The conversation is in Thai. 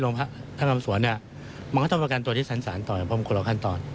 โรงพระนามสวนเนี่ยมันก็ต้องประกันตัวที่สารต่ออย่างพรหมคุณออกขั้นตอน